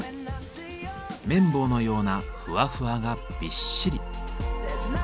綿棒のようなふわふわがびっしり。